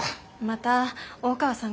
また大川さん